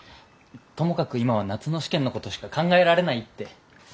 ともかく今は夏の試験のことしか考えられないって。